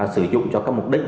sử dụng cho các mục đích